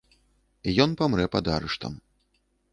Ён памрэ пад арыштам.